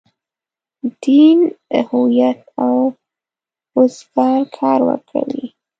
دین د هویت د اوزار کار ورکوي.